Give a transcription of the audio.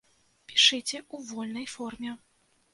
Пішыце ў вольнай форме.